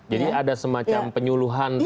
jadi ada semacam penyuluhan tentang